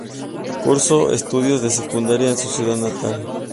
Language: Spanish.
Cursó estudios de secundaria en su ciudad natal.